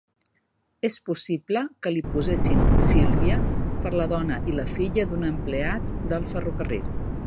És possible que li posessin Sílvia per la dona i la filla d'un empleat del ferrocarril.